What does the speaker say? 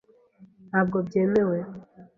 Ntabwo byemewe .